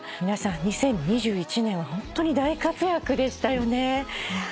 皆さん２０２１年はホントに大活躍でしたよね。